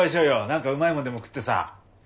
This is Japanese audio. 何かうまいもんでも食ってさ。